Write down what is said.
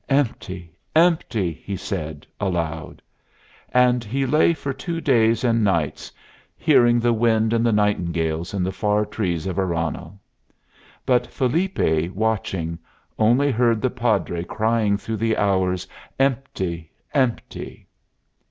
"Empty! Empty!" he said, aloud. And he lay for two days and nights hearing the wind and the nightingales in the far trees of Aranhal. But Felipe, watching, only heard the Padre crying through the hours, "Empty! Empty!"